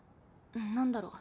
何だろう。